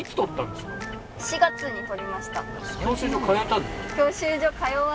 ４月にとりました。